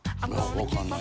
分かんない。